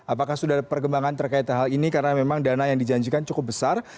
apakah sudah ada perkembangan terkait hal ini karena memang dana yang dijanjikan cukup besar